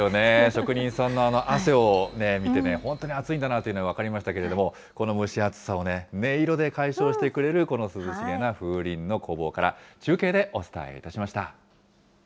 職人さんのあの汗を見てね、本当に暑いんだなというのが分かりましたけれども、この蒸し暑さをね、音色で解消してくれる、この涼しげな風鈴の工房から、中継でお伝えいたしました。